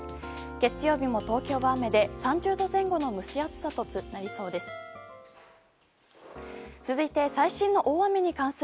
月曜日も、東京は雨で３０度前後の蒸し暑さとなりそうです。